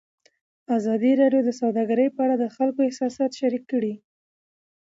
ازادي راډیو د سوداګري په اړه د خلکو احساسات شریک کړي.